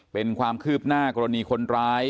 เป็นความคืบหน้ากรณีคนร้าย